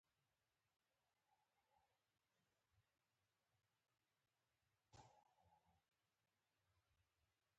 بله ورځ بیا د تفریح په وخت کې نورو افغان بندیانو.